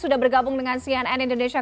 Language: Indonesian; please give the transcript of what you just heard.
sudah bergabung dengan cnn indonesia